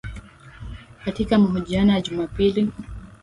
Katika mahojiano ya Jumapili